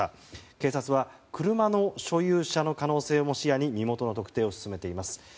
警察は車の所有者の可能性も視野に身元の特定を進めています。